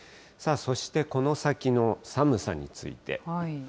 そして、この先の寒さについて。